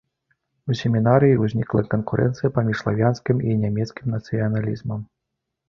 У семінарыі ўзнікла канкурэнцыя паміж славянскім і нямецкім нацыяналізмам.